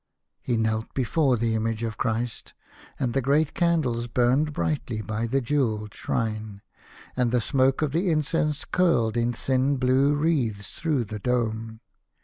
He knelt before the image of Christ, and the great candles burned brightly by the jewelled shrine, and the smoke of the incense curled in thin blue wreaths through the dome.